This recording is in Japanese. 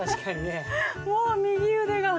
もう右腕が。